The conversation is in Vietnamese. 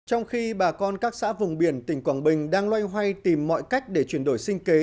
trong khi bà con các xã vùng biển tỉnh quảng bình đang loay hoay tìm mọi cách để chuyển đổi sinh kế